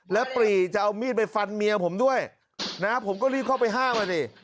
แล้วปรีจะเอามีดไปฟันเมียผมด้วยนะผมก็รีบเข้าไปห้ามอ่ะดิ